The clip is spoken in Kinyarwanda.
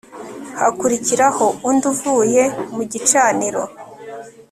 hakurikiraho undi uvuye mu gicaniro a